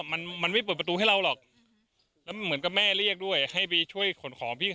มันมันไม่เปิดประตูให้เราหรอกแล้วเหมือนกับแม่เรียกด้วยให้ไปช่วยขนของพี่